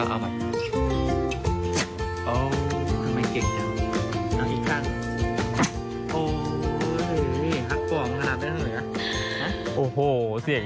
อ๋อทำไมเก่งจักเยี่ยม